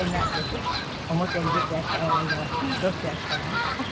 表に出ていらっしゃる間はどうしていらっしゃるの？